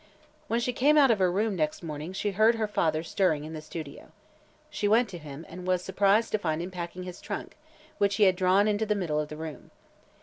When she came out of her room next morning she heard her father stirring in the studio. She went to him and was surprised to find him packing his trunk, which he had drawn into the middle of the room.